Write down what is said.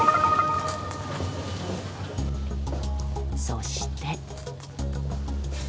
そして。